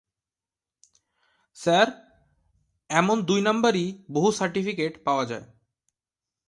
Sir, এমন দুই নাম্বারি বহু সাটিফিকেট পাওয়া যায়।